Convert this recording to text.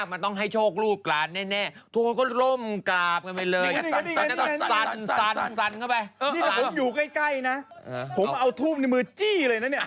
ผมเอาทูบเจ้ามืดจี้